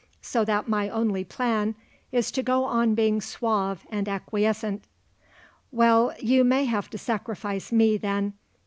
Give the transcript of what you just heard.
So that my only plan is to go on being suave and acquiescent." "Well; you may have to sacrifice me, then.